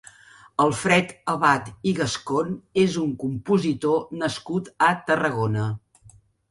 Alfred Abad i Gascon és un compositor nascut a Tarragona.